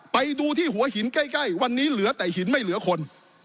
ไปดูที่หัวหินใกล้วันนี้เหลือแต่หินไม่เหลือคน